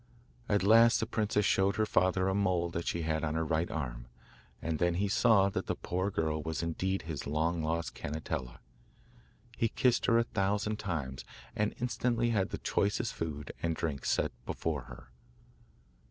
At last the princess showed her father a mole she had on her right arm, and then he saw that the poor girl was indeed his long lost Cannetella. He kissed her a thousand times, and instantly had the choicest food and drink set before her.